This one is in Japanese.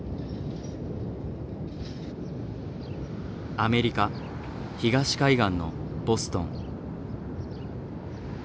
アメリカ東海岸のボストン。